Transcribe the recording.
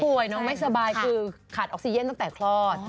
น้องไม่สบายคือขาดออกซีเย็นตั้งแต่คลอด